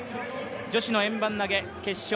女子の円盤投決勝